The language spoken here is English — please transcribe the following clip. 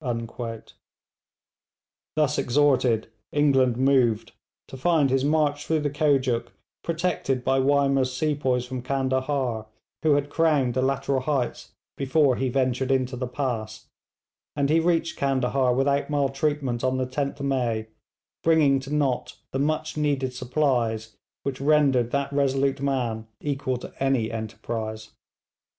Thus exhorted England moved, to find his march through the Kojuk protected by Wymer's sepoys from Candahar, who had crowned the lateral heights before he ventured into the pass; and he reached Candahar without maltreatment on the 10th May, bringing to Nott the much needed supplies which rendered that resolute man equal to any enterprise.